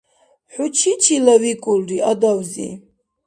ХӀу чичила викӀулри, адавзи?